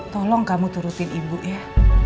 tolong kamu turutin ibu ya